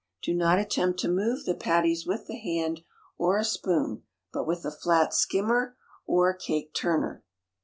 Do not attempt to move the patties with the hand or a spoon, but with a flat skimmer or cake turner.